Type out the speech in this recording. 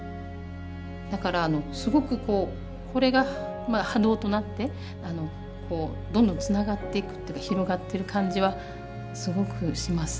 だからすごくこうこれがまあ波動となってどんどんつながっていくっていうか広がってる感じはすごくします。